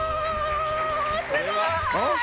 すごい！